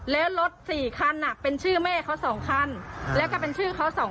แล้วรถ๔คันเป็นชื่อแม่เขาสองคันแล้วก็เป็นชื่อเขาสองคน